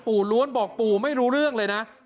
ล้วนบอกปู่ไม่รู้เรื่องเลยนะ